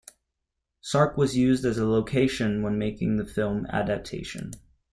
Sark was used as a location when making the film adaptation.